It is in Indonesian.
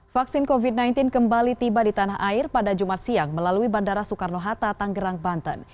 vaksin covid sembilan belas kembali tiba di tanah air pada jumat siang melalui bandara soekarno hatta tanggerang banten